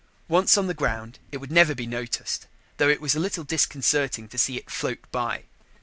Once on the ground, it would never be noticed, though it was a little disconcerting to see it float by.